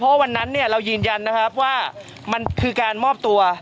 เพราะวันนั้นเรายืนยันว่ามันคือการมอบตัว